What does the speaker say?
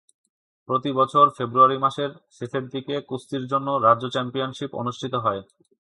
প্রতি বছর ফেব্রুয়ারি মাসের শেষের দিকে কুস্তির জন্য রাজ্য চ্যাম্পিয়নশীপ অনুষ্ঠিত হয়।